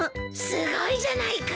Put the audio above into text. すごいじゃないか。